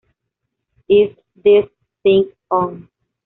Is This Thing On".